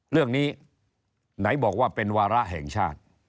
เรื่องนี้ไหนบอกว่าเป็นวาระแห่งชาติ